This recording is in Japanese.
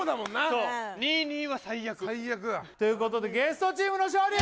そう２２は最悪最悪だということでゲストチームの勝利！